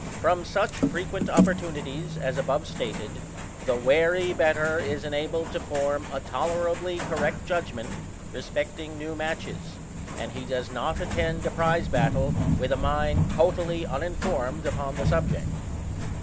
From such frequent opportu nities as above stated, the wary better is enabled to form a tolerably correct judgment respecting new matches, and he does not attend a prize battle with a mind totally uninformed upon the subject.